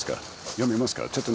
読めますか？